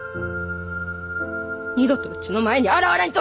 二度とうちの前に現れんといて！